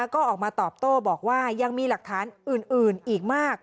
ก็ออกมาตอบโต้บอกว่ายังมีหลักฐานอื่นอีกมาก